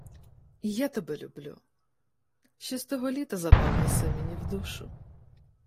— І я тебе люблю. Ще з того літа запав єси мені в душу.